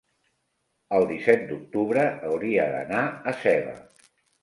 el disset d'octubre hauria d'anar a Seva.